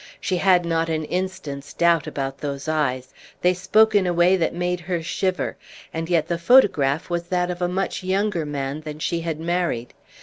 She had not an instant's doubt about those eyes; they spoke in a way that made her shiver; and yet the photograph was that of a much younger man than she had married.